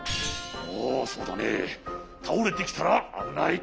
おおそうだねたおれてきたらあぶない。